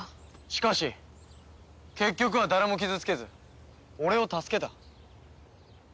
しかし結局は誰も傷つけず俺を助けた。